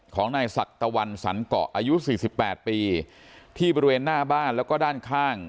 ของนายศักตะวันสันเกาะอายุ๔๘ปีที่บริเวณหน้าบ้านแล้วก็ด้านข้าง